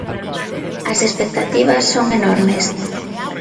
As expectativas son enormes.